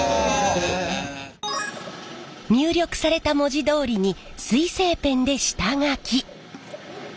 入力された文字どおりに水性ペンで下書き。